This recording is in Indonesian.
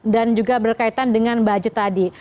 dan juga berkaitan dengan budget tadi